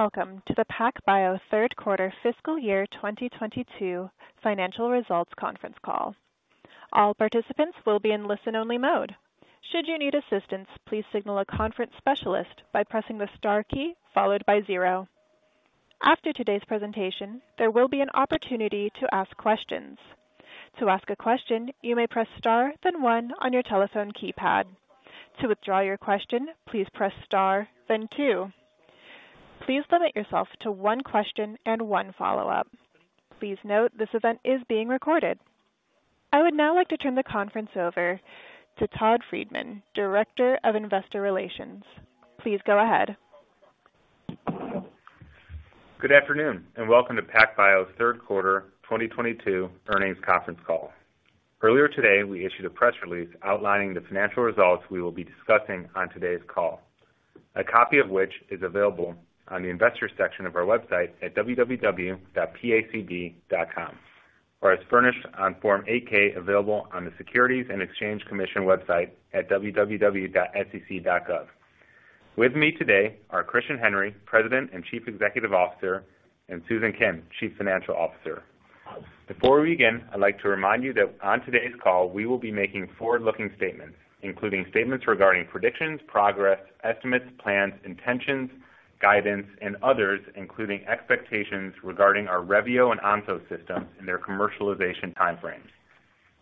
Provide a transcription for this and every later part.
Hello, and welcome to the PacBio Q3 fiscal year 2022 financial results conference call. All participants will be in listen-only mode. Should you need assistance, please signal a conference specialist by pressing the star key followed by zero. After today's presentation, there will be an opportunity to ask questions. To ask a question, you may press star then one on your telephone keypad. To withdraw your question, please press star then two. Please limit yourself to one question and one follow-up. Please note this event is being recorded. I would now like to turn the conference over to Todd Friedman, Director of Investor Relations. Please go ahead. Good afternoon, and welcome to PacBio's Q3 2022 earnings conference call. Earlier today, we issued a press release outlining the financial results we will be discussing on today's call, a copy of which is available on the Investors section of our website at www.pacb.com or as furnished on Form 8-K available on the Securities and Exchange Commission website at www.sec.gov. With me today are Christian Henry, President and Chief Executive Officer, and Susan Kim, Chief Financial Officer. Before we begin, I'd like to remind you that on today's call, we will be making forward-looking statements, including statements regarding predictions, progress, estimates, plans, intentions, guidance, and others, including expectations regarding our Revio and Onso systems and their commercialization time frames.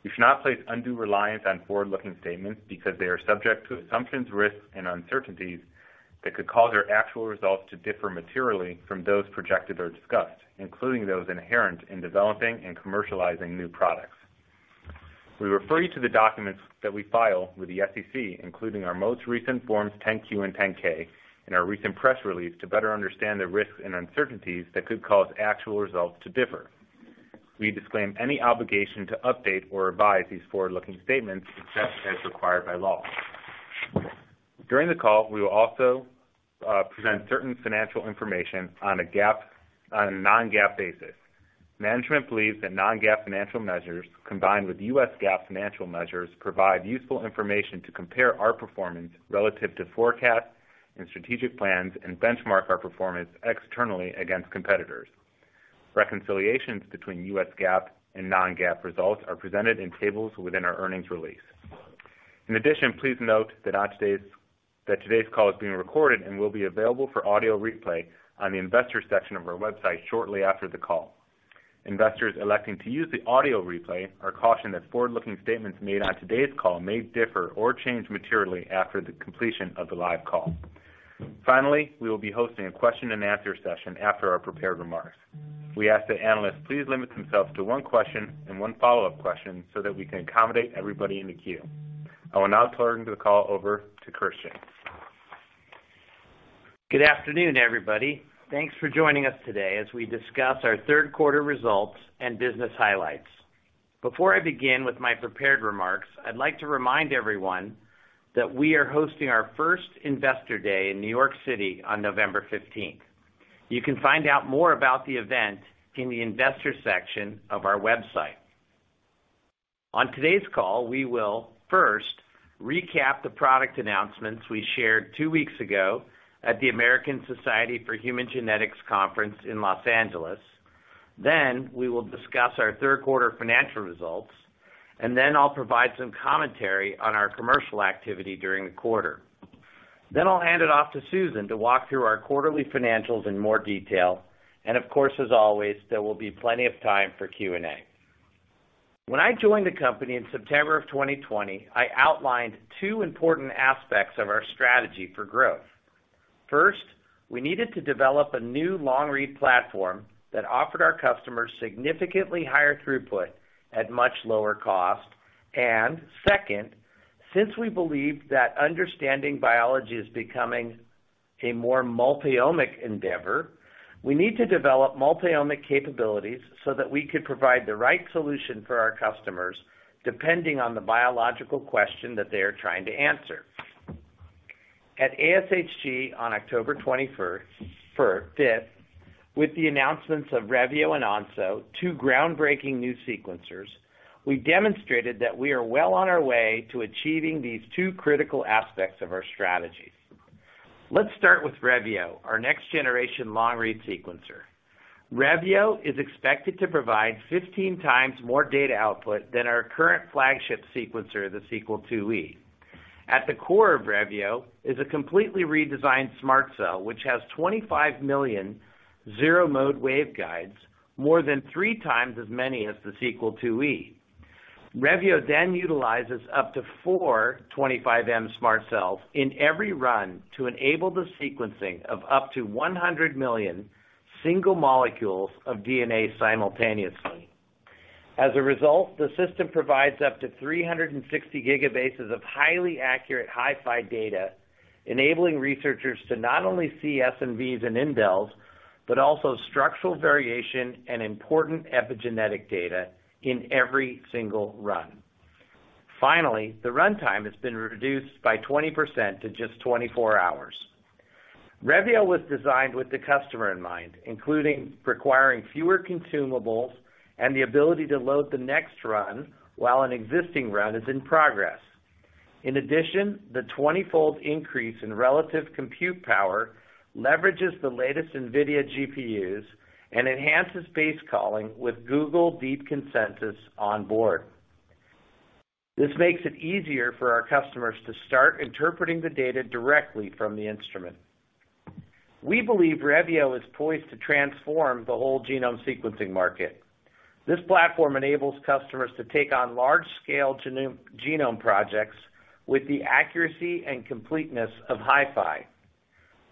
You should not place undue reliance on forward-looking statements because they are subject to assumptions, risks, and uncertainties that could cause our actual results to differ materially from those projected or discussed, including those inherent in developing and commercializing new products. We refer you to the documents that we file with the SEC, including our most recent Forms 10-Q and 10-K and our recent press release to better understand the risks and uncertainties that could cause actual results to differ. We disclaim any obligation to update or revise these forward-looking statements except as required by law. During the call, we will also present certain financial information on a non-GAAP basis. Management believes that non-GAAP financial measures, combined with US GAAP financial measures, provide useful information to compare our performance relative to forecasts and strategic plans and benchmark our performance externally against competitors. Reconciliations between US GAAP and non-GAAP results are presented in tables within our earnings release. In addition, please note that today's call is being recorded and will be available for audio replay on the Investors section of our website shortly after the call. Investors electing to use the audio replay are cautioned that forward-looking statements made on today's call may differ or change materially after the completion of the live call. Finally, we will be hosting a question-and-answer session after our prepared remarks. We ask that analysts please limit themselves to one question and one follow-up question so that we can accommodate everybody in the queue. I will now turn the call over to Christian. Good afternoon, everybody. Thanks for joining us today as we discuss our Q3 results and business highlights. Before I begin with my prepared remarks, I'd like to remind everyone that we are hosting our first Investor Day in New York City on November fifteenth. You can find out more about the event in the Investors section of our website. On today's call, we will first recap the product announcements we shared two weeks ago at the American Society of Human Genetics conference in Los Angeles. We will discuss our Q3 financial results, and I'll provide some commentary on our commercial activity during the quarter. I'll hand it off to Susan to walk through our quarterly financials in more detail. Of course, as always, there will be plenty of time for Q&A. When I joined the company in September of 2020, I outlined two important aspects of our strategy for growth. First, we needed to develop a new long-read platform that offered our customers significantly higher throughput at much lower cost. Second, since we believe that understanding biology is becoming a more multi-omic endeavor, we need to develop multi-omic capabilities so that we could provide the right solution for our customers, depending on the biological question that they are trying to answer. At ASHG on October 25, with the announcements of Revio and Onso, two groundbreaking new sequencers, we demonstrated that we are well on our way to achieving these two critical aspects of our strategy. Let's start with Revio, our next-generation long-read sequencer. Revio is expected to provide 15 times more data output than our current flagship sequencer, the Sequel IIe. At the core of Revio is a completely redesigned SMRT Cell, which has 25 million zero-mode waveguides, more than 3 times as many as the Sequel IIe. Revio then utilizes up to four 25 M SMRT Cells in every run to enable the sequencing of up to 100 million single molecules of DNA simultaneously. As a result, the system provides up to 360 gigabases of highly accurate HiFi data, enabling researchers to not only see SNVs and indels, but also structural variation and important epigenetic data in every single run. Finally, the runtime has been reduced by 20% to just 24 hours. Revio was designed with the customer in mind, including requiring fewer consumables and the ability to load the next run while an existing run is in progress. In addition, the 20-fold increase in relative compute power leverages the latest NVIDIA GPUs and enhances base calling with Google DeepConsensus on board. This makes it easier for our customers to start interpreting the data directly from the instrument. We believe Revio is poised to transform the whole genome sequencing market. This platform enables customers to take on large-scale genome-genome projects with the accuracy and completeness of HiFi.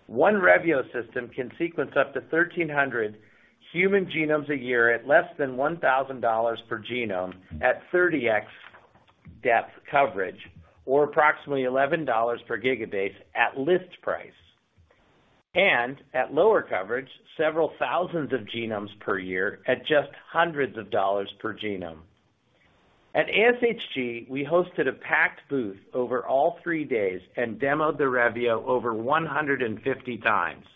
One Revio system can sequence up to 1,300 human genomes a year at less than $1,000 per genome at 30x depth coverage, or approximately $11 per gigabase at list price. At lower coverage, several thousand genomes per year at just hundreds of dollars per genome. At ASHG, we hosted a packed booth over all three days and demoed the Revio over 150 times.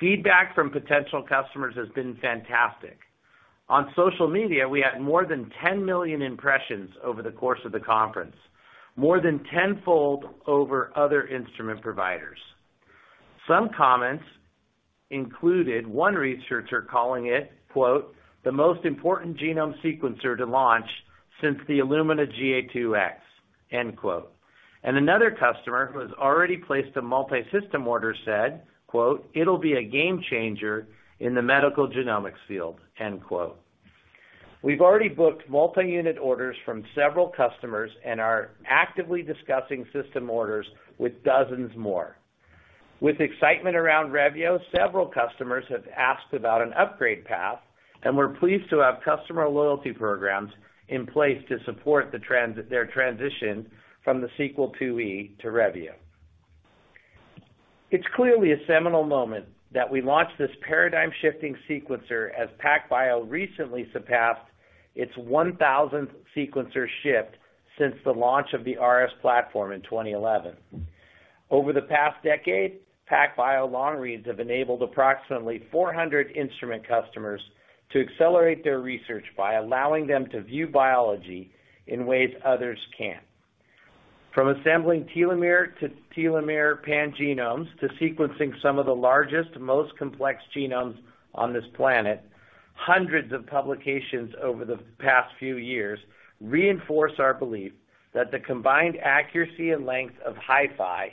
Feedback from potential customers has been fantastic. On social media, we had more than 10 million impressions over the course of the conference, more than tenfold over other instrument providers. Some comments included one researcher calling it, quote, "The most important genome sequencer to launch since the Illumina GA 2X," end quote. Another customer who has already placed a multi-system order said, quote, "It'll be a game changer in the medical genomics field," end quote. We've already booked multi-unit orders from several customers and are actively discussing system orders with dozens more. With excitement around Revio, several customers have asked about an upgrade path, and we're pleased to have customer loyalty programs in place to support their transition from the Sequel IIe to Revio. It's clearly a seminal moment that we launched this paradigm-shifting sequencer as PacBio recently surpassed its 1,000th sequencer shipped since the launch of the RS platform in 2011. Over the past decade, PacBio long reads have enabled approximately 400 instrument customers to accelerate their research by allowing them to view biology in ways others can't. From assembling telomere-to-telomere pangenomes to sequencing some of the largest, most complex genomes on this planet, hundreds of publications over the past few years reinforce our belief that the combined accuracy and length of HiFi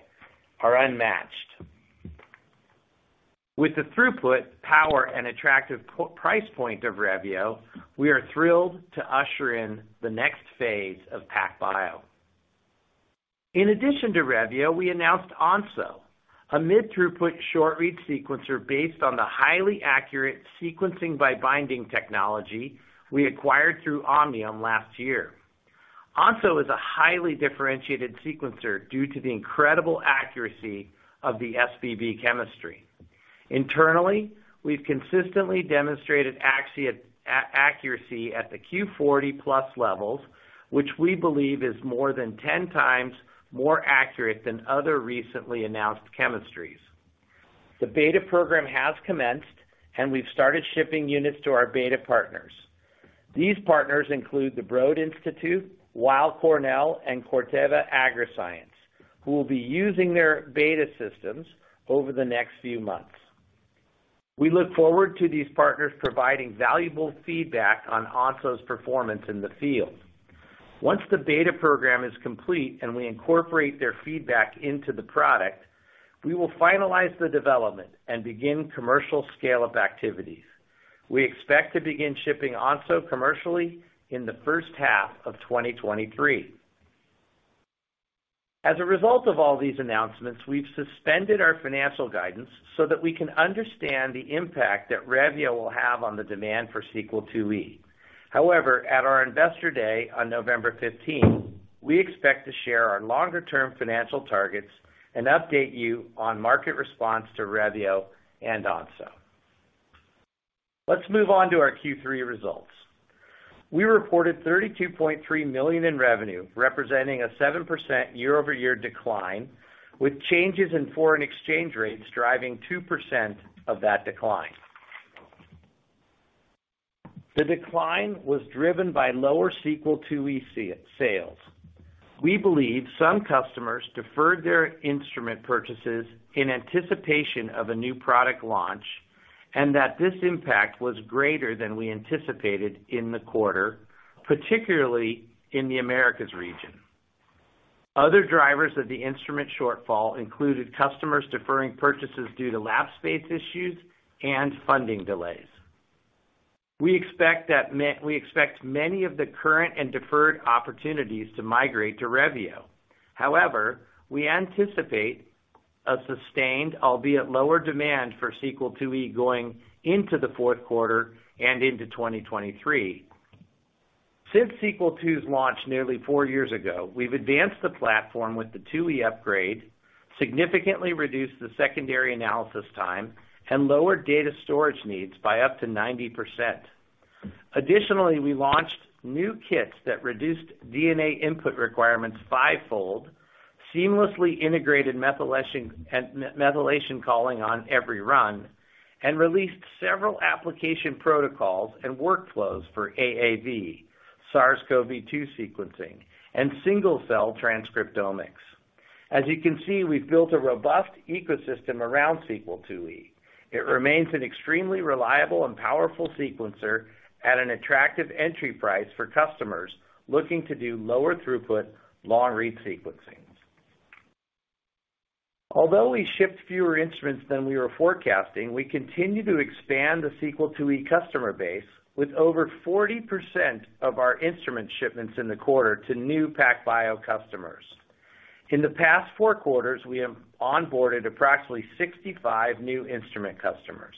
are unmatched. With the throughput, power, and attractive price point of Revio, we are thrilled to usher in the next phase of PacBio. In addition to Revio, we announced Onso, a mid-throughput short-read sequencer based on the highly accurate sequencing by binding technology we acquired through Omniome last year. Onso is a highly differentiated sequencer due to the incredible accuracy of the SBB chemistry. Internally, we've consistently demonstrated accuracy at the Q40+ levels, which we believe is more than 10 times more accurate than other recently announced chemistries. The beta program has commenced, and we've started shipping units to our beta partners. These partners include the Broad Institute, Weill Cornell, and Corteva Agriscience, who will be using their beta systems over the next few months. We look forward to these partners providing valuable feedback on Onso's performance in the field. Once the beta program is complete, and we incorporate their feedback into the product, we will finalize the development and begin commercial scale of activities. We expect to begin shipping Onso commercially in the H1 of 2023. As a result of all these announcements, we've suspended our financial guidance so that we can understand the impact that Revio will have on the demand for Sequel IIe. However, at our Investor Day on November 15th, we expect to share our longer-term financial targets and update you on market response to Revio and Onso. Let's move on to our Q3 results. We reported $32.3 million in revenue, representing a 7% year-over-year decline, with changes in foreign exchange rates driving 2% of that decline. The decline was driven by lower Sequel IIe sales. We believe some customers deferred their instrument purchases in anticipation of a new product launch, and that this impact was greater than we anticipated in the quarter, particularly in the Americas region. Other drivers of the instrument shortfall included customers deferring purchases due to lab space issues and funding delays. We expect many of the current and deferred opportunities to migrate to Revio. However, we anticipate a sustained, albeit lower demand for Sequel IIe going into the Q4 and into 2023. Since Sequel II's launch nearly 4 years ago, we've advanced the platform with the IIe upgrade, significantly reduced the secondary analysis time, and lowered data storage needs by up to 90%. Additionally, we launched new kits that reduced DNA input requirements fivefold, seamlessly integrated methylation detection into the HiFi workflow on every run, and released several application protocols and workflows for AAV, SARS-CoV-2 sequencing, and single-cell transcriptomics. As you can see, we've built a robust ecosystem around Sequel IIe. It remains an extremely reliable and powerful sequencer at an attractive entry price for customers looking to do lower throughput long-read sequencing. Although we shipped fewer instruments than we were forecasting, we continue to expand the Sequel IIe customer base with over 40% of our instrument shipments in the quarter to new PacBio customers. In the past four quarters, we have onboarded approximately 65 new instrument customers.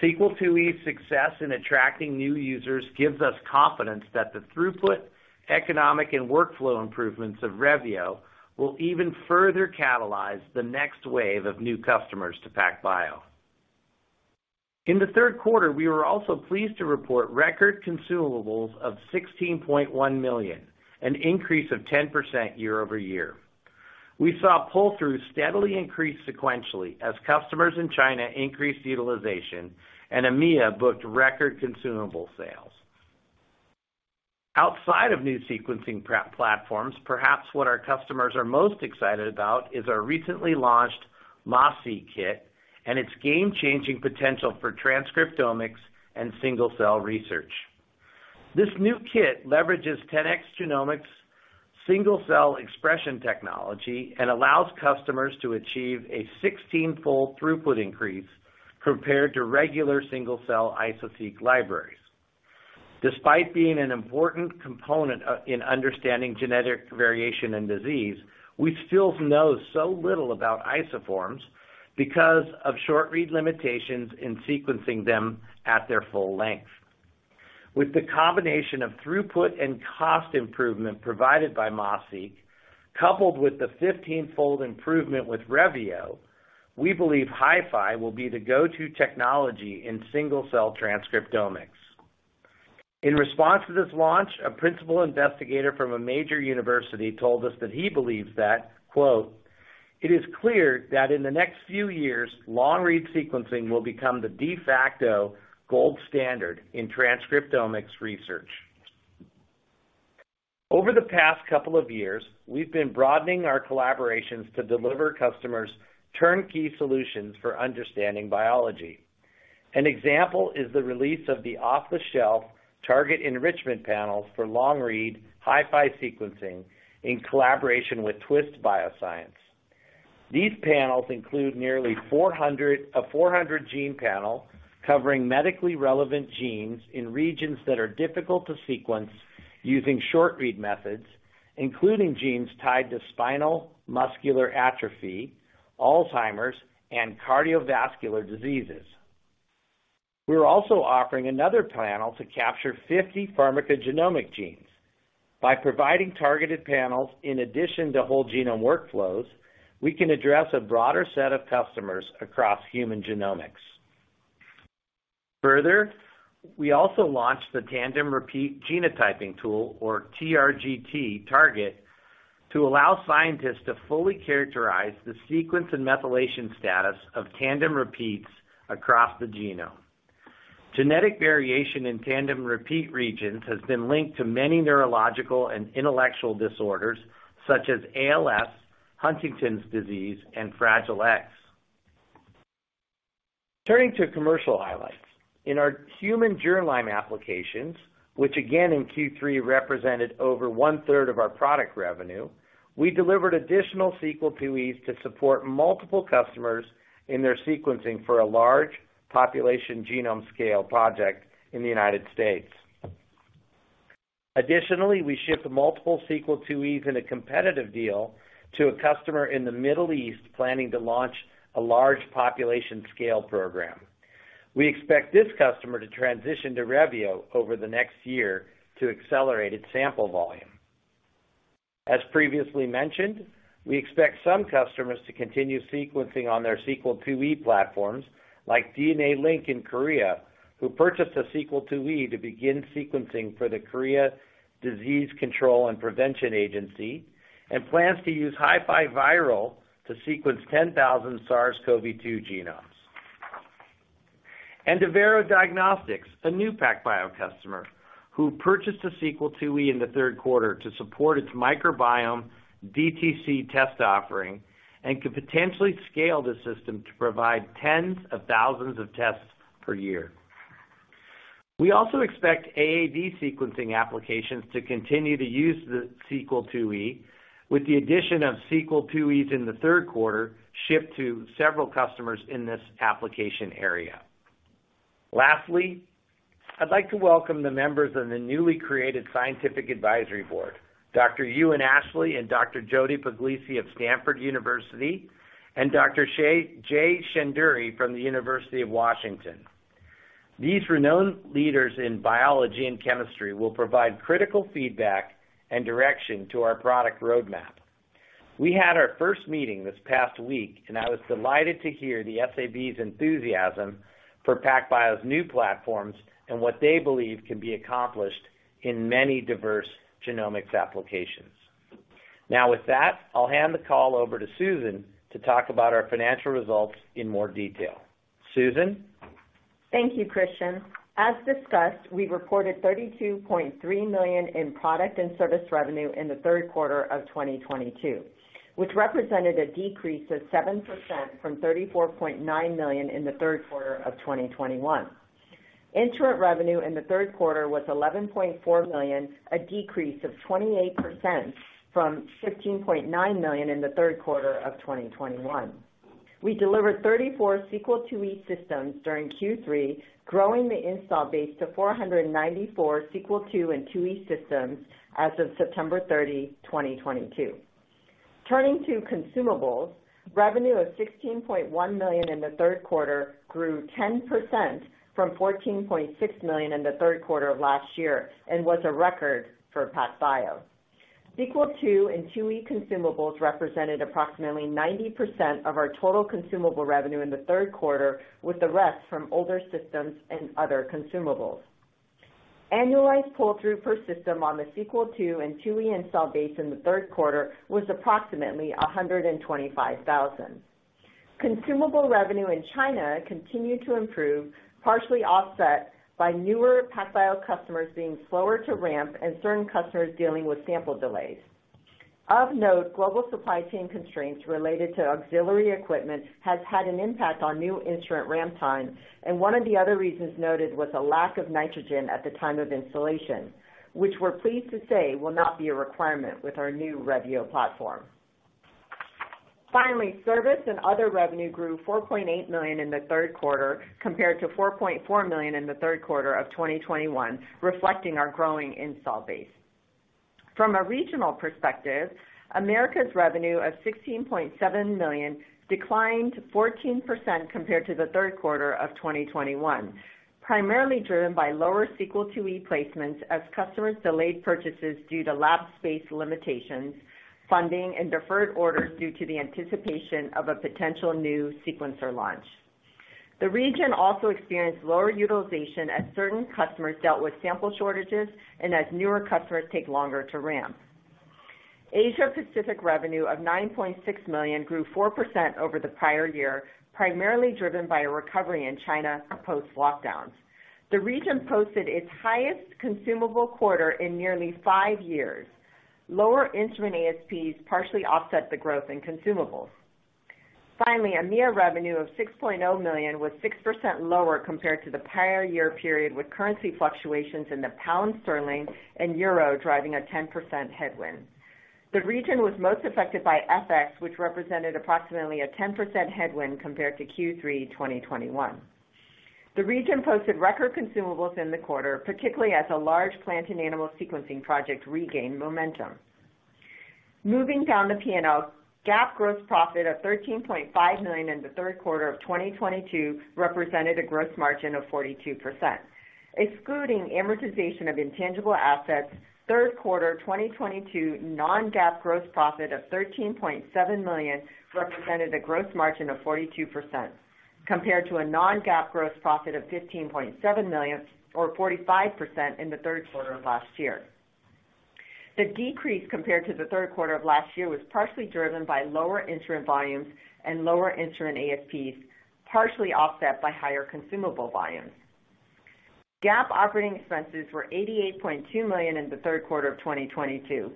Sequel IIe's success in attracting new users gives us confidence that the throughput, economic, and workflow improvements of Revio will even further catalyze the next wave of new customers to PacBio. In the Q3, we were also pleased to report record consumables of $16.1 million, an increase of 10% year-over-year. We saw pull-through steadily increase sequentially as customers in China increased utilization, and EMEA booked record consumable sales. Outside of new sequencing platforms, perhaps what our customers are most excited about is our recently launched MAS-Seq kit and its game-changing potential for transcriptomics and single-cell research. This new kit leverages 10x Genomics single-cell expression technology and allows customers to achieve a 16-fold throughput increase compared to regular single-cell Iso-Seq libraries. Despite being an important component in understanding genetic variation and disease, we still know so little about isoforms because of short-read limitations in sequencing them at their full length. With the combination of throughput and cost improvement provided by MAS-Seq, coupled with the 15-fold improvement with Revio, we believe HiFi will be the go-to technology in single-cell transcriptomics. In response to this launch, a principal investigator from a major university told us that he believes that quote, "It is clear that in the next few years, long-read sequencing will become the de facto gold standard in transcriptomics research." Over the past couple of years, we've been broadening our collaborations to deliver customers turnkey solutions for understanding biology. An example is the release of the off-the-shelf target enrichment panels for long read HiFi sequencing in collaboration with Twist Bioscience. These panels include a 400-gene panel covering medically relevant genes in regions that are difficult to sequence using short-read methods, including genes tied to spinal muscular atrophy, Alzheimer's, and cardiovascular diseases. We're also offering another panel to capture 50 pharmacogenomic genes. By providing targeted panels in addition to whole genome workflows, we can address a broader set of customers across human genomics. Further, we also launched the Tandem Repeat Genotyping Tool or TRGT, Target, to allow scientists to fully characterize the sequence and methylation status of tandem repeats across the genome. Genetic variation in tandem repeat regions has been linked to many neurological and intellectual disorders such as ALS, Huntington's disease, and Fragile X. Turning to commercial highlights. In our human germline applications, which again in Q3 represented over one-third of our product revenue, we delivered additional Sequel IIe to support multiple customers in their sequencing for a large population genome scale project in the United States. Additionally, we shipped multiple Sequel IIe in a competitive deal to a customer in the Middle East planning to launch a large population scale program. We expect this customer to transition to Revio over the next year to accelerate its sample volume. As previously mentioned, we expect some customers to continue sequencing on their Sequel IIe platforms like DNA Link in Korea, who purchased a Sequel IIe to begin sequencing for the Korea Disease Control and Prevention Agency, and plans to use HiFiViral to sequence 10,000 SARS-CoV-2 genomes. Avero Diagnostics, a new PacBio customer, who purchased a Sequel IIe in the Q3 to support its microbiome DTC test offering and could potentially scale the system to provide tens of thousands of tests per year. We also expect AAD sequencing applications to continue to use the Sequel IIe with the addition of Sequel IIe's in the Q3 shipped to several customers in this application area. Lastly, I'd like to welcome the members of the newly created scientific advisory board, Dr. Euan Ashley and Dr. Joseph Puglisi of Stanford University, and Dr. Jay Shendure from the University of Washington. These renowned leaders in biology and chemistry will provide critical feedback and direction to our product roadmap. We had our first meeting this past week, and I was delighted to hear the SAB's enthusiasm for PacBio's new platforms and what they believe can be accomplished in many diverse genomics applications. Now with that, I'll hand the call over to Susan to talk about our financial results in more detail. Susan? Thank you, Christian. As discussed, we reported $32.3 million in product and service revenue in the Q3 of 2022, which represented a decrease of 7% from $34.9 million in the Q3 of 2021. Instrument revenue in the Q3 was $11.4 million, a decrease of 28% from $15.9 million in the Q3 of 2021. We delivered 34 Sequel IIe systems during Q3, growing the install base to 494 Sequel II and IIe systems as of 30 September 2022. Turning to consumables, revenue of $16.1 million in the Q3 grew 10% from $14.6 million in the Q3 of last year and was a record for PacBio. Sequel II and IIe consumables represented approximately 90% of our total consumable revenue in the Q3, with the rest from older systems and other consumables. Annualized pull-through per system on the Sequel II and IIe install base in the Q3 was approximately $125,000. Consumable revenue in China continued to improve, partially offset by newer PacBio customers being slower to ramp and certain customers dealing with sample delays. Of note, global supply chain constraints related to auxiliary equipment has had an impact on new instrument ramp time, and one of the other reasons noted was a lack of nitrogen at the time of installation, which we're pleased to say will not be a requirement with our new Revio platform. Finally, service and other revenue grew $4.8 million in the Q3 compared to $4.4 million in the Q3 of 2021, reflecting our growing install base. From a regional perspective, America's revenue of $16.7 million declined 14% compared to the Q3 of 2021, primarily driven by lower Sequel IIe placements as customers delayed purchases due to lab space limitations, funding, and deferred orders due to the anticipation of a potential new sequencer launch. The region also experienced lower utilization as certain customers dealt with sample shortages and as newer customers take longer to ramp. Asia Pacific revenue of $9.6 million grew 4% over the prior year, primarily driven by a recovery in China post-lockdowns. The region posted its highest consumable quarter in nearly 5 years. Lower instrument ASPs partially offset the growth in consumables. Finally, EMEA revenue of $6.0 million was 6% lower compared to the prior year period, with currency fluctuations in the pound sterling and euro driving a 10% headwind. The region was most affected by FX, which represented approximately a 10% headwind compared to Q3 2021. The region posted record consumables in the quarter, particularly as a large plant and animal sequencing project regained momentum. Moving down the P&L, GAAP gross profit of $13.5 million in the Q3 of 2022 represented a gross margin of 42%. Excluding amortization of intangible assets, Q3 2022 non-GAAP gross profit of $13.7 million represented a gross margin of 42%, compared to a non-GAAP gross profit of $15.7 million or 45% in the Q3 of last year. The decrease compared to the Q3 of last year was partially driven by lower instrument volumes and lower instrument ASPs, partially offset by higher consumable volumes. GAAP operating expenses were $88.2 million in the Q3 of 2022.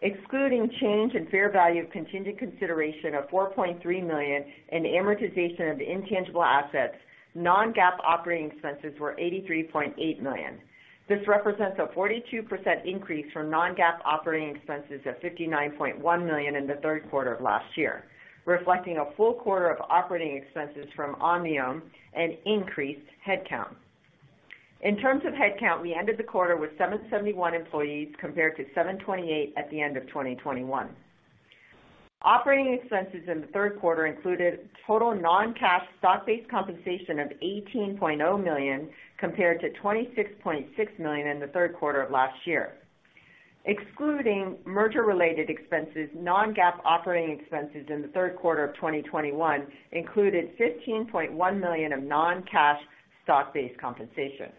Excluding change in fair value of contingent consideration of $4.3 million and amortization of intangible assets, non-GAAP operating expenses were $83.8 million. This represents a 42% increase from non-GAAP operating expenses of $59.1 million in the Q3 of last year, reflecting a full quarter of operating expenses from Omniome and increased headcount. In terms of headcount, we ended the quarter with 771 employees compared to 728 at the end of 2021. Operating expenses in the Q3 included total non-cash stock-based compensation of $18.0 million compared to $26.6 million in the Q3 of last year. Excluding merger-related expenses, non-GAAP operating expenses in the Q3 of 2021 included $15.1 million of non-cash stock-based compensation.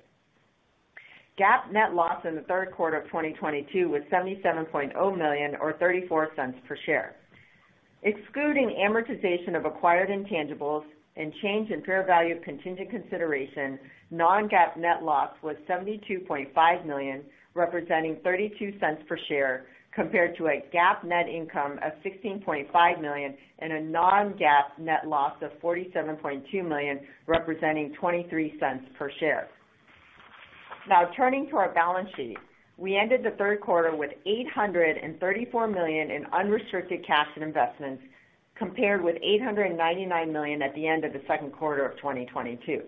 GAAP net loss in the Q3 of 2022 was $77.0 million or $0.34 per share. Excluding amortization of acquired intangibles and change in fair value of contingent consideration, non-GAAP net loss was $72.5 million, representing $0.32 per share, compared to a GAAP net income of $16.5 million and a non-GAAP net loss of $47.2 million, representing $0.23 per share. Now turning to our balance sheet. We ended the Q3 with $834 million in unrestricted cash and investments, compared with $899 million at the end of the Q2 of 2022.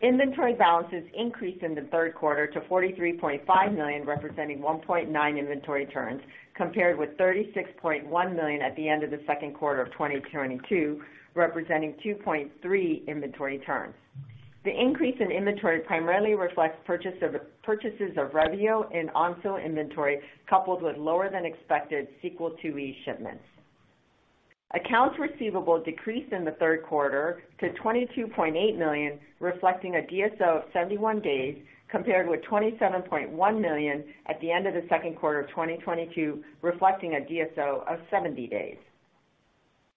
Inventory balances increased in the Q3 to $43.5 million, representing 1.9 inventory turns, compared with $36.1 million at the end of the Q2 of 2022, representing 2.3 inventory turns. The increase in inventory primarily reflects purchases of Revio and Onso inventory, coupled with lower-than-expected Sequel IIe shipments. Accounts receivable decreased in the Q3 to $22.8 million, reflecting a DSO of 71 days, compared with $27.1 million at the end of the Q2 of 2022, reflecting a DSO of 70 days.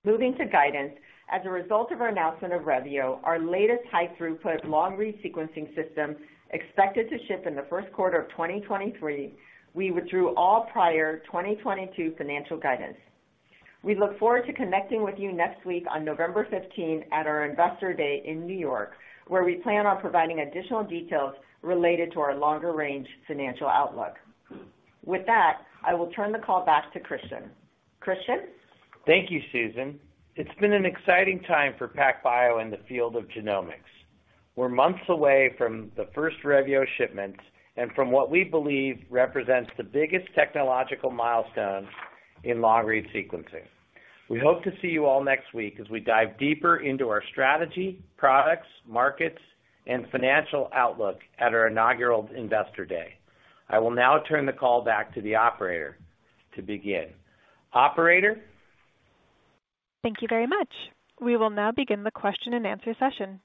Moving to guidance. As a result of our announcement of Revio, our latest high-throughput long-read sequencing system, expected to ship in the Q1 of 2023, we withdrew all prior 2022 financial guidance. We look forward to connecting with you next week on November 15 at our Investor Day in New York, where we plan on providing additional details related to our longer-range financial outlook. With that, I will turn the call back to Christian. Christian? Thank you, Susan. It's been an exciting time for PacBio in the field of genomics. We're months away from the first Revio shipments and from what we believe represents the biggest technological milestone in long-read sequencing. We hope to see you all next week as we dive deeper into our strategy, products, markets and financial outlook at our inaugural Investor Day. I will now turn the call back to the operator to begin. Operator? Thank you very much. We will now begin the question-and-answer session.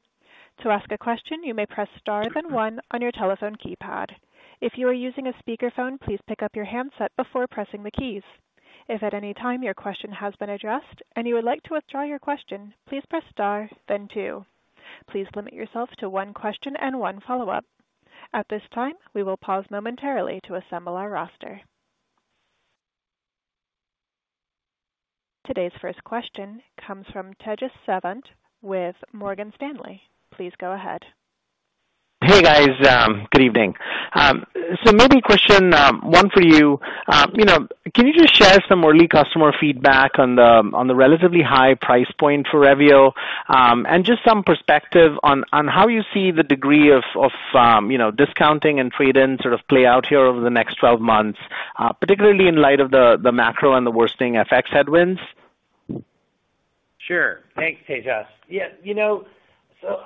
To ask a question, you may press star then one on your telephone keypad. If you are using a speakerphone, please pick up your handset before pressing the keys. If at any time your question has been addressed and you would like to withdraw your question, please press star then two. Please limit yourself to one question and one follow-up. At this time, we will pause momentarily to assemble our roster. Today's first question comes from Tejas Savant with Morgan Stanley. Please go ahead. Hey, guys, good evening. Maybe question one for you. You know, can you just share some early customer feedback on the relatively high price point for Revio, and just some perspective on how you see the degree of discounting and trade-in sort of play out here over the next 12 months, particularly in light of the macro and the worsening FX headwinds? Sure. Thanks, Tejas. Yeah, you know,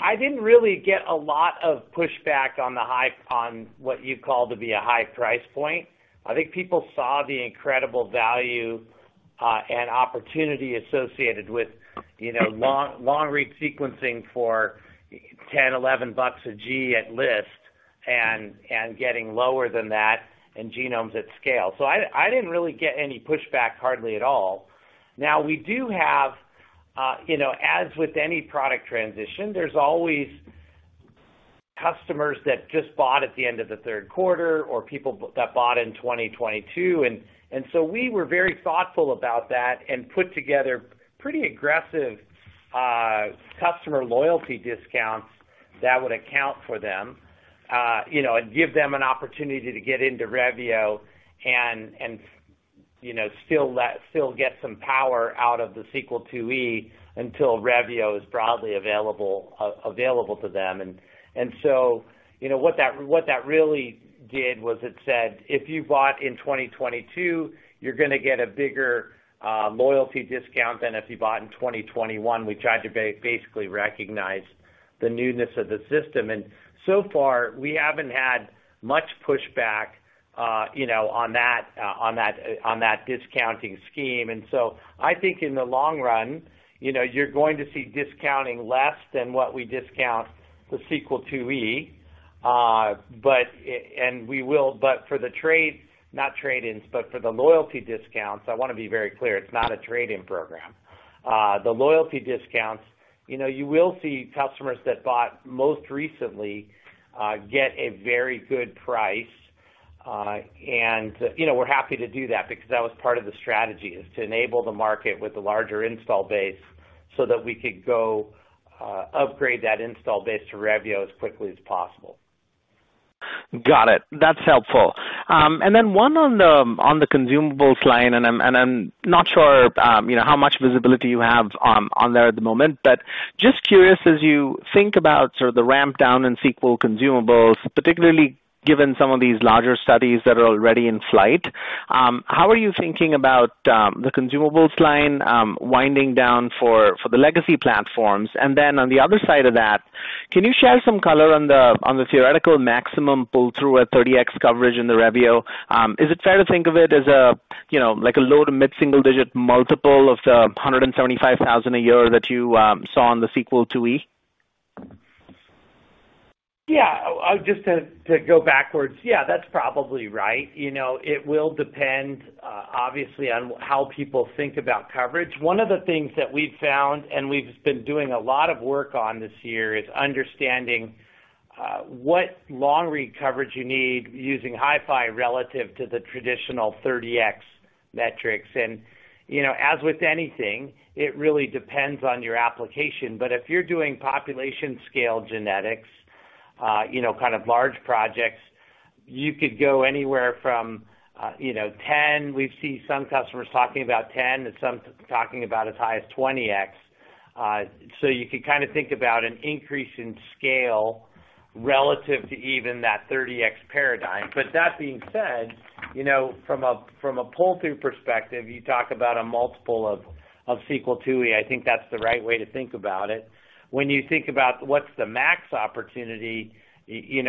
I didn't really get a lot of pushback on the high. on what you call to be a high price point. I think people saw the incredible value and opportunity associated with, you know, long, long-read sequencing for $10, $11 a G at list and getting lower than that in genomes at scale. I didn't really get any pushback, hardly at all. Now we do have, you know, as with any product transition, there's always customers that just bought at the end of the Q3 or people that bought in 2022. We were very thoughtful about that and put together pretty aggressive customer loyalty discounts that would account for them, you know, and give them an opportunity to get into Revio and, you know, still get some power out of the Sequel IIe until Revio is broadly available to them. You know, what that really did was it said, "If you bought in 2022, you're gonna get a bigger loyalty discount than if you bought in 2021." We tried to basically recognize the newness of the system. So far, we haven't had much pushback, you know, on that discounting scheme. I think in the long run, you know, you're going to see discounting less than what we discount the Sequel IIe. But. For the trade, not trade-ins, but for the loyalty discounts, I wanna be very clear, it's not a trade-in program. The loyalty discounts, you know, you will see customers that bought most recently get a very good price. You know, we're happy to do that because that was part of the strategy, is to enable the market with the larger install base so that we could go upgrade that install base to Revio as quickly as possible. Got it. That's helpful. Then one on the consumables line, and I'm not sure, you know, how much visibility you have on there at the moment, but just curious, as you think about sort of the ramp down in Sequel consumables, particularly given some of these larger studies that are already in flight, how are you thinking about the consumables line winding down for the legacy platforms? Then on the other side of that, can you share some color on the theoretical maximum pull through at 30x coverage in the Revio? Is it fair to think of it as a, you know, like a low to mid-single digit multiple of the $175,000 a year that you saw on the Sequel IIe? Yeah. Just to go backwards, yeah, that's probably right. You know, it will depend, obviously, on how people think about coverage. One of the things that we've found, and we've been doing a lot of work on this year, is understanding what long-read coverage you need using HiFi relative to the traditional 30x metrics. You know, as with anything, it really depends on your application. If you're doing population scale genetics, you know, kind of large projects, you could go anywhere from, you know, 10. We've seen some customers talking about 10 and some talking about as high as 20x. You could kind of think about an increase in scale relative to even that 30x paradigm. That being said, you know, from a pull-through perspective, you talk about a multiple of Sequel IIe. I think that's the right way to think about it. When you think about what's the max opportunity, you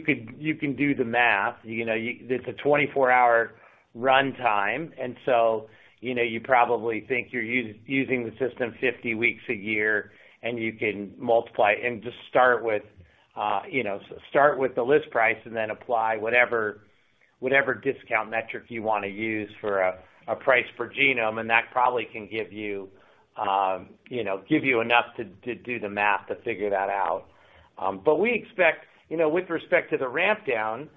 can do the math. It's a 24-hour run time. You probably think you're using the system 50 weeks a year, and you can multiply and just start with the list price and then apply whatever discount metric you wanna use for a price per genome, and that probably can give you enough to do the math to figure that out. We expect, you know, with respect to the ramp down,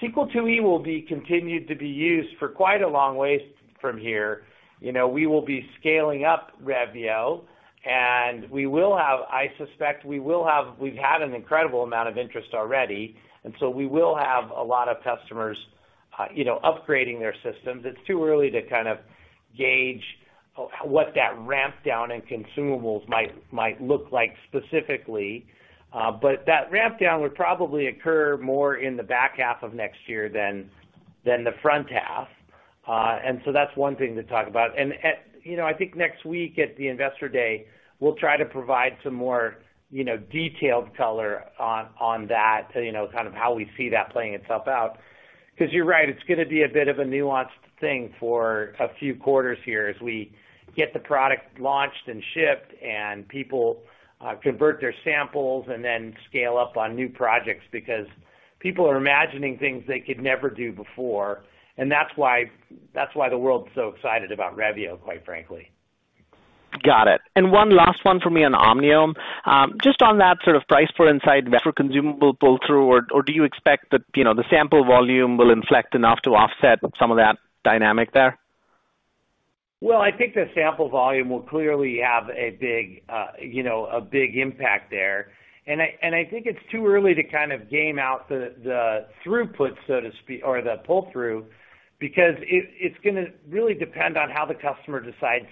Sequel IIe will be continued to be used for quite a long ways from here. You know, we will be scaling up Revio, and I suspect we will have. We've had an incredible amount of interest already, and so we will have a lot of customers, you know, upgrading their systems. It's too early to kind of gauge what that ramp down in consumables might look like specifically. But that ramp down would probably occur more in the back half of next year than the front half. That's one thing to talk about. You know, I think next week at the Investor Day, we'll try to provide some more, you know, detailed color on that to kind of how we see that playing itself out. Cause you're right, it's gonna be a bit of a nuanced thing for a few quarters here as we get the product launched and shipped and people, convert their samples and then scale up on new projects because people are imagining things they could never do before. That's why the world's so excited about Revio, quite frankly. Got it. One last one for me on Omniome. Just on that sort of price per insight for consumable pull-through or do you expect that, you know, the sample volume will inflect enough to offset some of that dynamic there? Well, I think the sample volume will clearly have a big, you know, a big impact there. I think it's too early to kind of game out the throughput, so to speak, or the pull-through, because it's gonna really depend on how the customer decides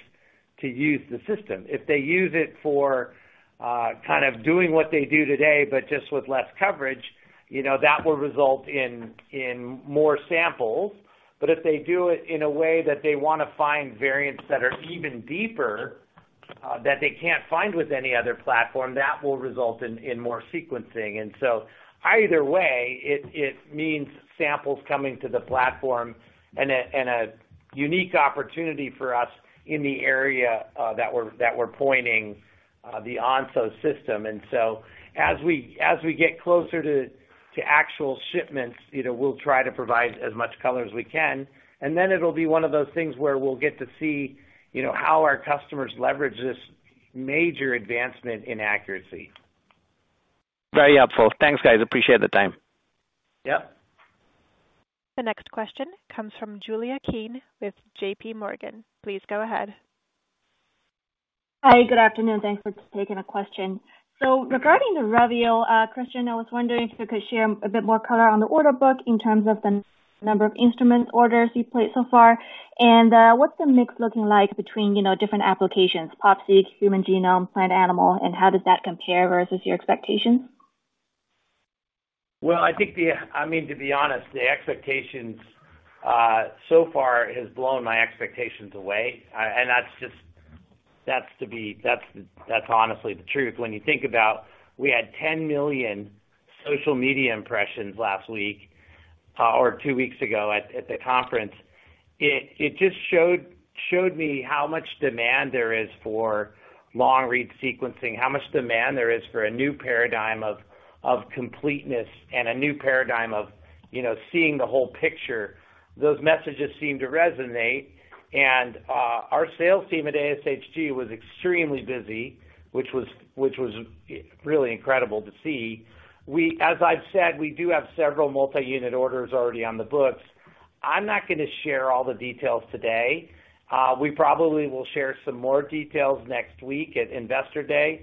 to use the system. If they use it for kind of doing what they do today, but just with less coverage, you know, that will result in more samples. If they do it in a way that they wanna find variants that are even deeper, that they can't find with any other platform, that will result in more sequencing. Either way, it means samples coming to the platform and a unique opportunity for us in the area that we're pointing to the Onso system. As we get closer to actual shipments, you know, we'll try to provide as much color as we can. It'll be one of those things where we'll get to see, you know, how our customers leverage this major advancement in accuracy. Very helpful. Thanks, guys. Appreciate the time. Yeah. The next question comes from Julia Qin with JPMorgan. Please go ahead. Hi, good afternoon. Thanks for taking the question. Regarding the Revio, Christian, I was wondering if you could share a bit more color on the order book in terms of the number of instrument orders you've placed so far. What's the mix looking like between, you know, different applications, pop seq, human genome, plant, animal, and how does that compare versus your expectations? Well, I think, I mean, to be honest, the expectations so far has blown my expectations away. And that's just honestly the truth. When you think about, we had 10 million social media impressions last week or two weeks ago at the conference, it just showed me how much demand there is for long-read sequencing, how much demand there is for a new paradigm of completeness and a new paradigm of, you know, seeing the whole picture. Those messages seem to resonate. Our sales team at ASHG was extremely busy, which was really incredible to see. As I've said, we do have several multi-unit orders already on the books. I'm not gonna share all the details today. We probably will share some more details next week at Investor Day.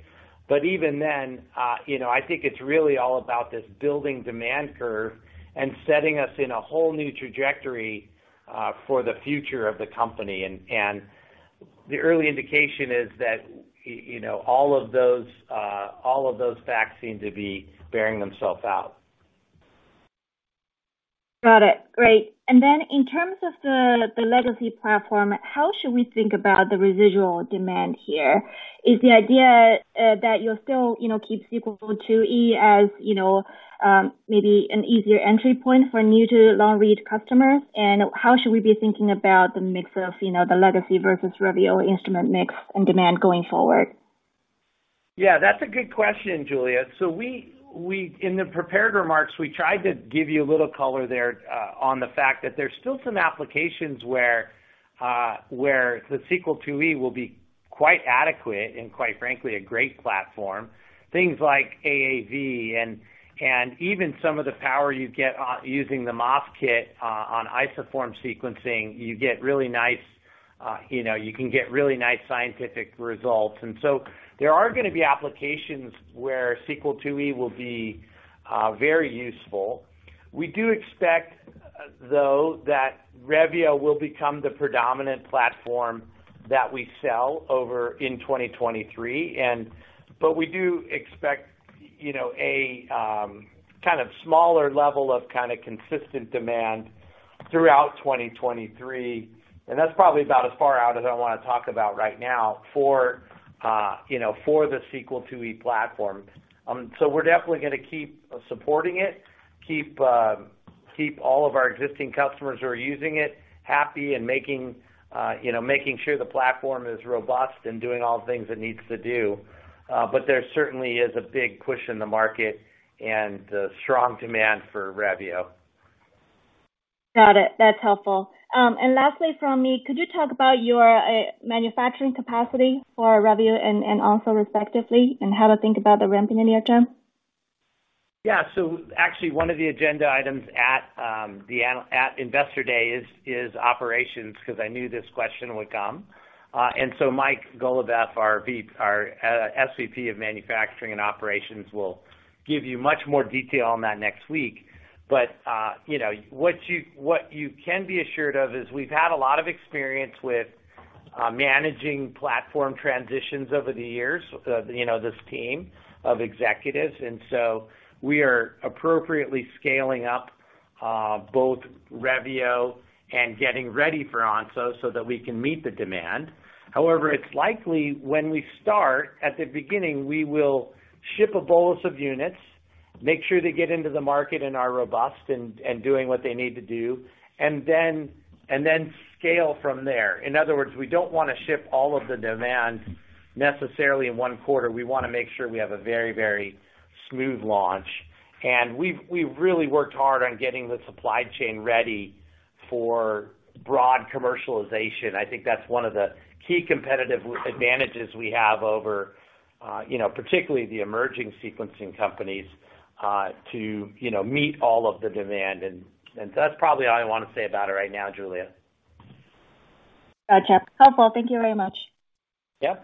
Even then, you know, I think it's really all about this building demand curve and setting us in a whole new trajectory, for the future of the company. The early indication is that, you know, all of those facts seem to be bearing themselves out. Got it. Great. In terms of the legacy platform, how should we think about the residual demand here? Is the idea that you'll still, you know, keep Sequel IIe as, you know, maybe an easier entry point for new to long read customers? How should we be thinking about the mix of, you know, the legacy versus Revio instrument mix and demand going forward? Yeah, that's a good question, Julia. In the prepared remarks, we tried to give you a little color there on the fact that there's still some applications where the Sequel IIe will be quite adequate and quite frankly, a great platform, things like AAV and even some of the power you get using the MAS-Seq kit on isoform sequencing, you get really nice, you know, you can get really nice scientific results. There are gonna be applications where Sequel IIe will be very useful. We do expect, though, that Revio will become the predominant platform that we sell over in 2023. We do expect, you know, a kind of smaller level of kind of consistent demand throughout 2023, and that's probably about as far out as I wanna talk about right now for the Sequel IIe platform. We're definitely gonna keep supporting it, keep all of our existing customers who are using it happy and making sure the platform is robust and doing all the things it needs to do. There certainly is a big push in the market and strong demand for Revio. Got it. That's helpful. Lastly from me, could you talk about your manufacturing capacity for Revio and also respectively, and how to think about the ramping in near-term? Actually one of the agenda items at Investor Day is operations because I knew this question would come. Mike Golubeff, our SVP of Manufacturing and Operations, will give you much more detail on that next week. You know, what you can be assured of is we've had a lot of experience with managing platform transitions over the years. You know, this team of executives, we are appropriately scaling up both Revio and getting ready for Onso so that we can meet the demand. However, it's likely when we start at the beginning, we will ship a bolus of units, make sure they get into the market and are robust and doing what they need to do, and then scale from there. In other words, we don't wanna ship all of the demand necessarily in one quarter. We wanna make sure we have a very, very smooth launch. We've really worked hard on getting the supply chain ready for broad commercialization. I think that's one of the key competitive advantages we have over, you know, particularly the emerging sequencing companies, to, you know, meet all of the demand. That's probably all I want to say about it right now, Julia. Gotcha. Helpful. Thank you very much. Yeah.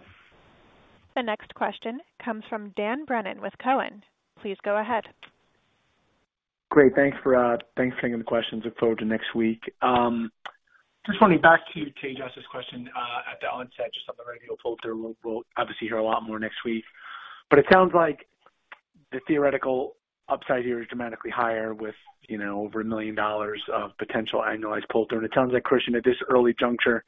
The next question comes from Dan Brennan with Cowen. Please go ahead. Great. Thanks for taking the questions. Look forward to next week. Just going back to Jess's question at the onset, just on the Revio pull-through. We'll obviously hear a lot more next week, but it sounds like the theoretical upside here is dramatically higher with, you know, over $1 million of potential annualized pull-through. It sounds like, Christian, at this early juncture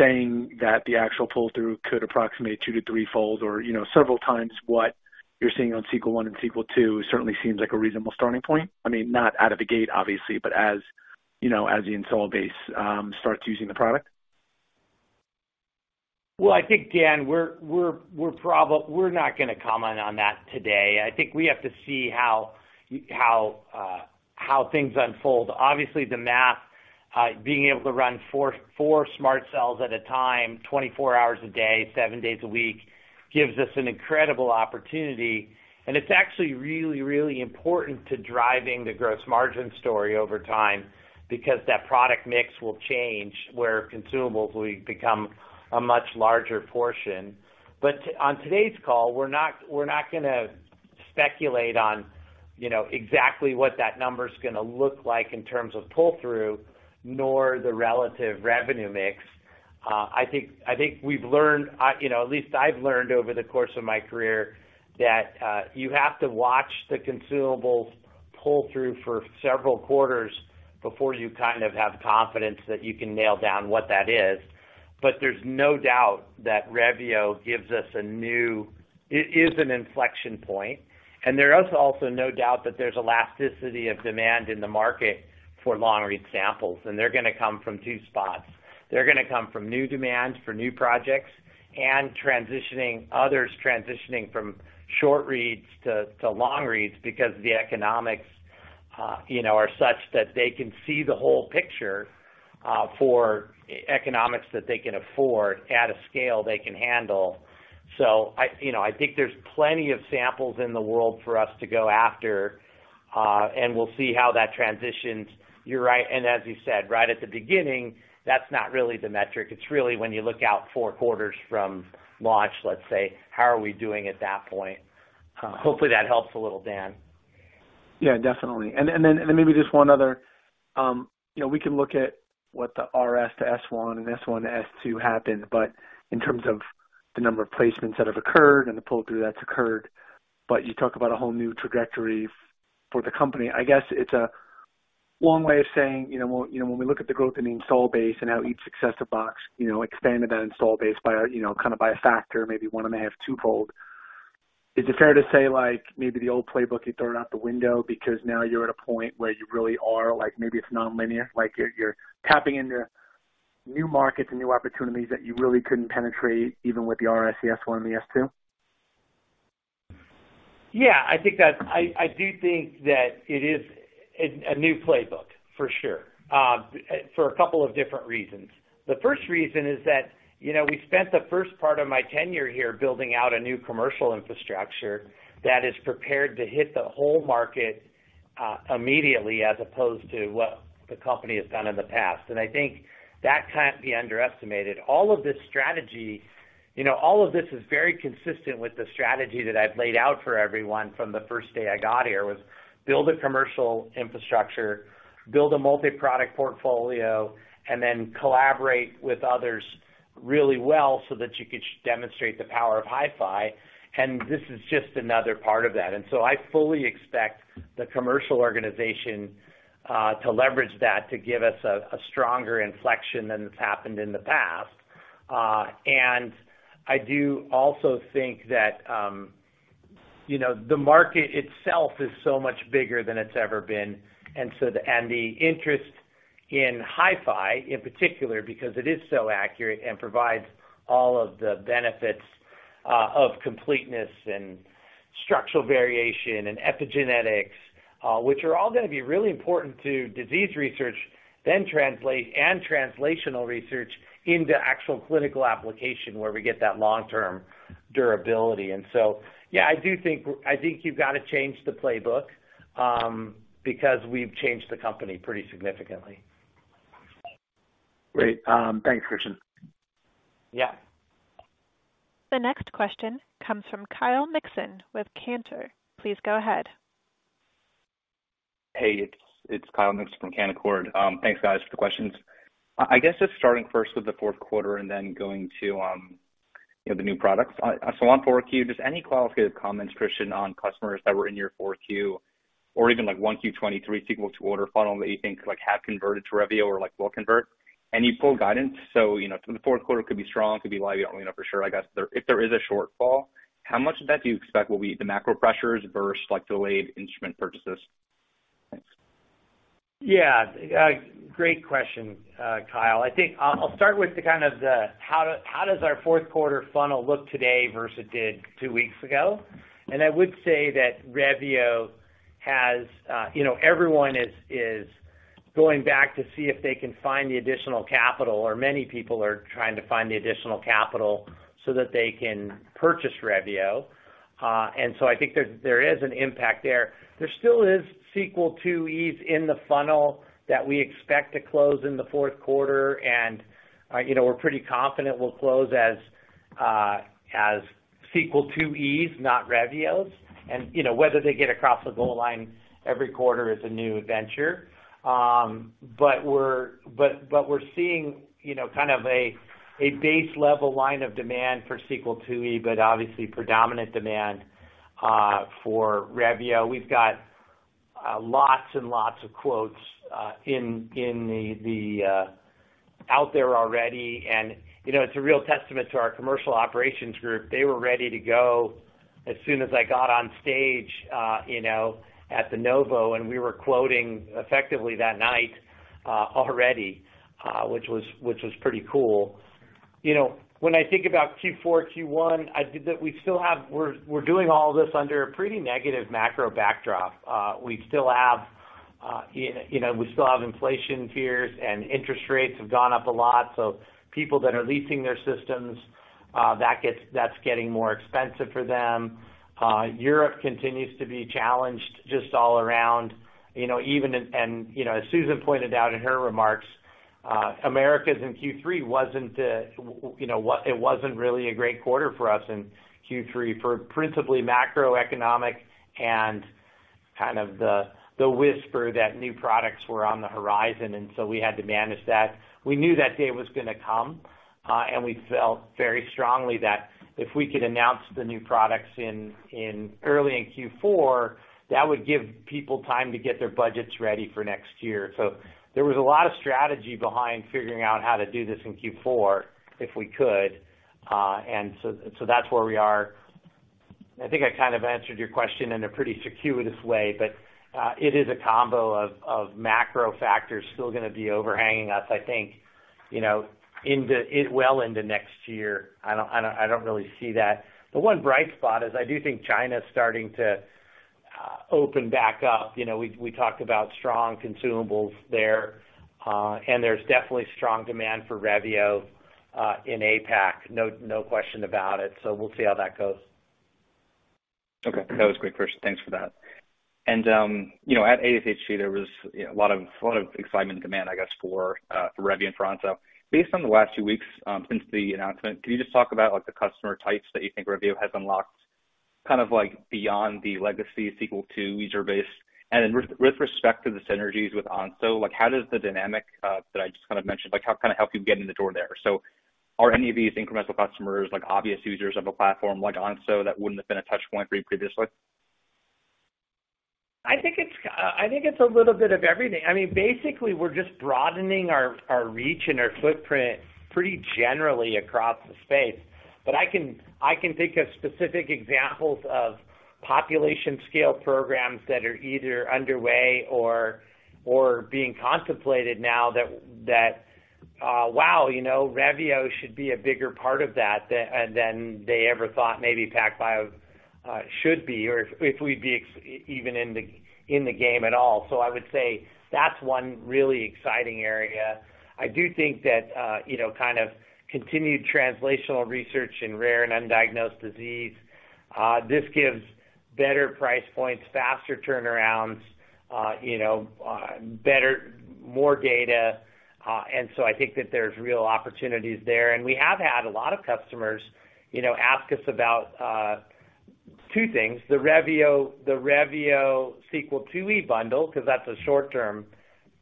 saying that the actual pull-through could approximate two- to threefold or, you know, several times what you're seeing on Sequel One and Sequel Two certainly seems like a reasonable starting point. I mean, not out of the gate obviously, but as, you know, as the install base starts using the product. I think, Dan, we're not gonna comment on that today. I think we have to see how things unfold. Obviously, the math, being able to run 4 SMRT cells at a time, 24 hours a day, 7 days a week, gives us an incredible opportunity, and it's actually really important to driving the gross margin story over time because that product mix will change where consumables will become a much larger portion. On today's call, we're not gonna speculate on, you know, exactly what that number's gonna look like in terms of pull-through, nor the relative revenue mix. I think we've learned. You know, at least I've learned over the course of my career that you have to watch the consumables pull through for several quarters before you kind of have confidence that you can nail down what that is. There's no doubt that Revio gives us a new inflection point, and there is also no doubt that there's elasticity of demand in the market for long-read samples, and they're gonna come from two spots. They're gonna come from new demand for new projects and transitioning, others transitioning from short reads to long reads because the economics, you know, are such that they can see the whole picture for economics that they can afford at a scale they can handle. You know, I think there's plenty of samples in the world for us to go after, and we'll see how that transitions. You're right, and as you said right at the beginning, that's not really the metric. It's really when you look out four quarters from launch, let's say, how are we doing at that point? Hopefully, that helps a little, Dan. Yeah, definitely. Maybe just one other. You know, we can look at what the RS to Sequel and Sequel to Sequel II happened, but in terms of the number of placements that have occurred and the pull-through that's occurred, but you talk about a whole new trajectory for the company. I guess it's a long way of saying, you know, when we look at the growth in the install base and how each successive box, you know, expanded that install base by, you know, kind of by a factor, maybe 1.5, twofold. Is it fair to say, like, maybe the old playbook, you throw it out the window because now you're at a point where you really are, like, maybe it's nonlinear, like you're tapping into new markets and new opportunities that you really couldn't penetrate even with the RS, the Sequel, and the Sequel II? Yeah. I do think that it is a new playbook for sure, for a couple of different reasons. The first reason is that, you know, we spent the first part of my tenure here building out a new commercial infrastructure that is prepared to hit the whole market, immediately as opposed to what the company has done in the past. I think that can't be underestimated. All of this strategy, you know, all of this is very consistent with the strategy that I've laid out for everyone from the first day I got here, was build a commercial infrastructure, build a multi-product portfolio, and then collaborate with others really well so that you could demonstrate the power of HiFi. This is just another part of that. I fully expect the commercial organization to leverage that to give us a stronger inflection than has happened in the past. I do also think that you know, the market itself is so much bigger than it's ever been, and the interest in HiFi in particular, because it is so accurate and provides all of the benefits of completeness and structural variation and epigenetics, which are all gonna be really important to disease research, then translate and translational research into actual clinical application where we get that long-term durability. Yeah, I think you've gotta change the playbook, because we've changed the company pretty significantly. Great. Thanks, Christian. Yeah. The next question comes from Kyle Mikson with Cantor Fitzgerald. Please go ahead. Hey, it's Kyle Mikson from Cantor Fitzgerald. Thanks, guys, for the questions. I guess just starting first with the Q4 and then going to, you know, the new products. On 4Q, just any qualitative comments, Christian, on customers that were in your 4Q or even like 1Q 2023 Sequel 2 order funnel that you think like have converted to Revio or like will convert? You pulled guidance, so, you know, the Q4 could be strong, could be light. We don't know for sure, I guess. If there is a shortfall, how much of that do you expect will be the macro pressures versus like delayed instrument purchases? Thanks. Yeah. Great question, Kyle. I think I'll start with how does our Q4 funnel look today versus two weeks ago? I would say that Revio has, you know, everyone is going back to see if they can find the additional capital or many people are trying to find the additional capital so that they can purchase Revio. I think there is an impact there. There still is Sequel IIe in the funnel that we expect to close in the Q4. You know, we're pretty confident we'll close as Sequel IIe, not Revios. You know whether they get across the goal line every quarter is a new adventure. We're seeing, you know, kind of a base level line of demand for Sequel IIe, but obviously predominant demand for Revio. We've got lots and lots of quotes out there already. You know, it's a real testament to our commercial operations group. They were ready to go as soon as I got on stage, you know, at the Novo, and we were quoting effectively that night already, which was pretty cool. You know, when I think about Q4, Q1, I think that we still have. We're doing all this under a pretty negative macro backdrop. We still have, you know, we still have inflation fears and interest rates have gone up a lot. People that are leasing their systems, that's getting more expensive for them. Europe continues to be challenged just all around, you know, even in the Americas. As Susan pointed out in her remarks, the Americas in Q3, it wasn't really a great quarter for us in Q3 for principally macroeconomic and kind of the whisper that new products were on the horizon, and so we had to manage that. We knew that day was gonna come, and we felt very strongly that if we could announce the new products early in Q4, that would give people time to get their budgets ready for next year. There was a lot of strategy behind figuring out how to do this in Q4, if we could. That's where we are. I think I kind of answered your question in a pretty circuitous way, but it is a combo of macro factors still gonna be overhanging us, I think, you know, well into next year. I don't really see that. The one bright spot is I do think China's starting to open back up. You know, we talked about strong consumables there, and there's definitely strong demand for Revio in APAC, no question about it. So, we'll see how that goes. Okay. That was great, Christian. Thanks for that. You know, at ASHG, there was a lot of excitement and demand, I guess, for Revio and Onso. Based on the last two weeks since the announcement, can you just talk about like the customer types that you think Revio has unlocked, kind of like beyond the legacy Sequel II user base? With respect to the synergies with Onso, like how does the dynamic that I just kind of mentioned, like, kind of help you get in the door there? Are any of these incremental customers like obvious users of a platform like Onso that wouldn't have been a touch point for you previously? I think it's a little bit of everything. I mean, basically, we're just broadening our reach and our footprint pretty generally across the space. I can think of specific examples of population scale programs that are either underway or being contemplated now that you know, Revio should be a bigger part of that than they ever thought maybe PacBio should be or if we'd be even in the game at all. I would say that's one really exciting area. I do think that you know, kind of continued translational research in rare and undiagnosed disease, this gives better price points, faster turnarounds, you know, better more data. I think that there's real opportunities there. We have had a lot of customers, you know, ask us about two things, the Revio, the Revio Sequel IIe bundle, cause that's a short-term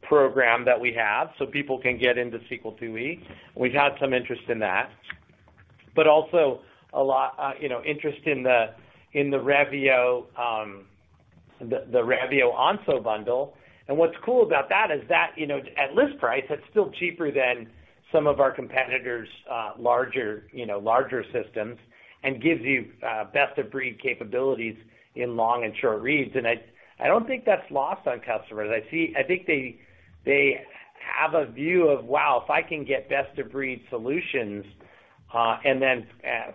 program that we have, so people can get into Sequel IIe. We've had some interest in that, but also a lot, you know, interest in the Revio Onso bundle. What's cool about that is that, you know, at list price, that's still cheaper than some of our competitors, larger systems and gives you best of breed capabilities in long and short reads. I don't think that's lost on customers. I see. I think they have a view of, "Wow, if I can get best of breed solutions, and then,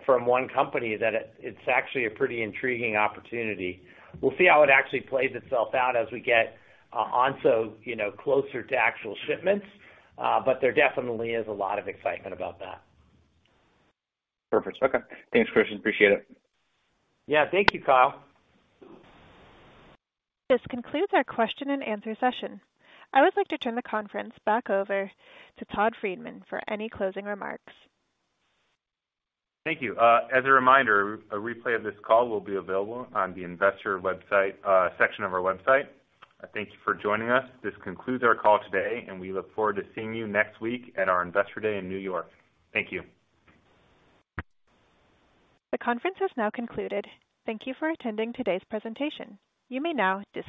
from one company, then it's actually a pretty intriguing opportunity." We'll see how it actually plays itself out as we get, Onso, you know, closer to actual shipments, but there definitely is a lot of excitement about that. Perfect. Okay. Thanks, Christian. Appreciate it. Yeah. Thank you, Kyle. This concludes our question-and-answer session. I would like to turn the conference back over to Todd Freedman for any closing remarks. Thank you. As a reminder, a replay of this call will be available on the investor website section of our website. Thank you for joining us. This concludes our call today, and we look forward to seeing you next week at our Investor Day in New York. Thank you. The conference has now concluded. Thank you for attending today's presentation. You may now disconnect.